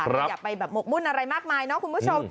อย่าไปแบบหมกมุ่นอะไรมากมายเนาะคุณผู้ชม